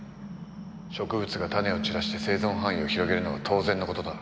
植物が種を散らして生存範囲を広げるのは当然のことだ。